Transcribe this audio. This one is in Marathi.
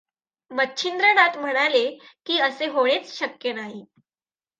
मच्छिंद्रनाथ म्हणाले की असे होणेच शक्य नाही.